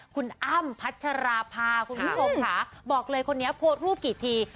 คุณอ้ำพัชราภาคุณผู้ชมค่ะบอกเลยคนนี้โพสต์รูปกี่ที